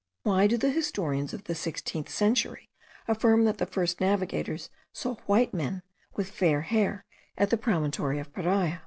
Why do the historians of the sixteenth century affirm that the first navigators saw white men with fair hair at the promontory of Paria?